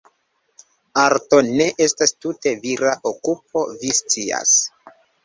Arto ne estas tute vira okupo, vi scias.